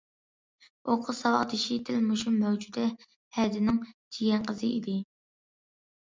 ئۇ قىز ساۋاقدىشى دەل مۇشۇ مەۋجۇدە ھەدىنىڭ جىيەن قىزى ئىدى.